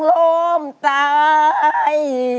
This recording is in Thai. พ่อสาว